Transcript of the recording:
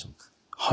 はい。